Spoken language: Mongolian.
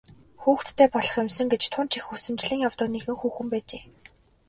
Хүүхэдтэй болох юмсан гэж тун ч их хүсэмжлэн явдаг нэгэн хүүхэн байжээ.